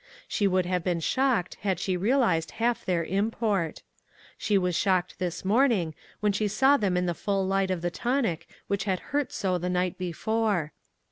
She would have been shocked had she realized half their import. She was shocked this morning, when she saw them in the full light of the tonic which had hurt so the night before.